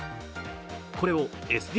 これをＳＤ